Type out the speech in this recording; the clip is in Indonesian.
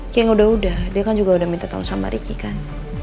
ceng udah udah dia kan juga udah minta tolong sama ricky kan